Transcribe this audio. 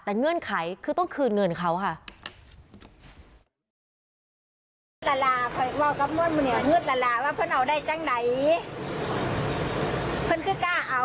แต่เงื่อนไขคือต้องคืนเงินเขาค่ะ